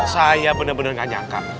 saya bener bener gak nyangka